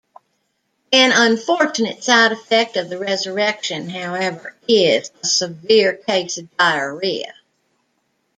An unfortunate side-effect of the resurrection, however, is a severe case of diarrhea.